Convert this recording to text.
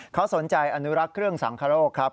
เขาสนใจอนุรักษ์เครื่องสังคโรคครับ